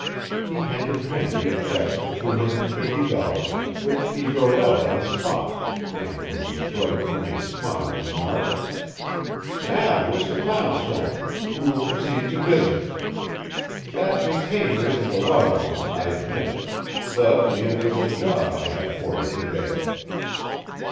He handed Henry a check for two hundred and fifty dollars, which he wrote out on the spot, and with his bright winning smile remarked: "Now, Mr. Poundstone, we will proceed to business. That retainer isn't a large one, I admit, but neither is the job I have for you to day.